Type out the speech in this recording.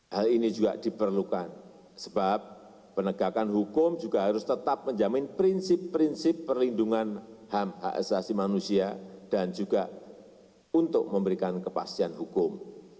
hal ini juga diperlukan sebab penegakan hukum juga harus tetap menjamin prinsip prinsip perlindungan hak asasi manusia dan juga untuk memberikan kepastian hukum